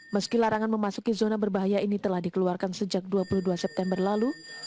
meski larangan memasuki zona berbahaya ini telah dikeluarkan sejak dua puluh dua september lalu